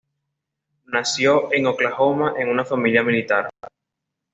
Nació en Oklahoma en una familia militar.